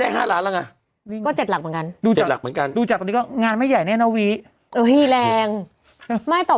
แต่ตอนนี้ได้๕ล้านละไง